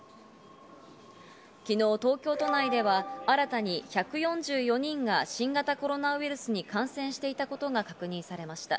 昨日、東京都内では新たに１４４人が新型コロナウイルスに感染していたことが確認されました。